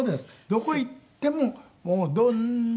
どこ行ってももうどんなに。